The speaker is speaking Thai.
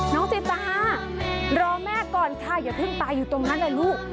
สีตารอแม่ก่อนค่ะอย่าเพิ่งตายอยู่ตรงนั้นเลยลูก